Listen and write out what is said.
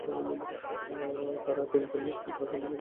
তারা তিন কন্যা ও এক পুত্র সন্তানের জনক-জননী।